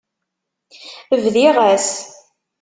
Bdiɣ-as.